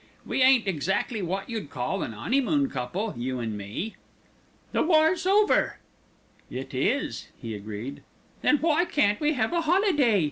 "We ain't exactly wot you'd call an 'oneymoon couple, you an' me." "The war's over." "It is," he agreed. "Then why can't we have a holiday?"